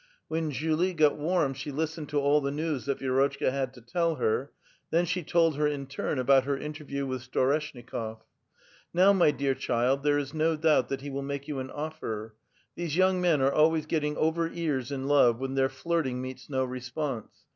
When Julie got warm, she listened to all the news that Vi^rotchka had to tell her ; then she told her in turn about her interview with Storeshnikof ." Now, my dear child, there is no doubt that he will make you an offer. These young men are always getting over ears in love when their flirting meets no response.